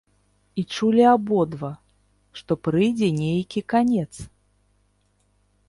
І чулі абодва, што прыйдзе нейкі канец.